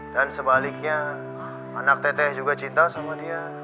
dan sebaliknya anak tete juga cinta sama dia